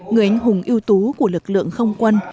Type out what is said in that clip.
người anh hùng yêu tú của lực lượng không quân